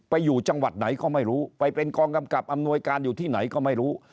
อยู่จังหวัดไหนก็ไม่รู้ไปเป็นกองกำกับอำนวยการอยู่ที่ไหนก็ไม่รู้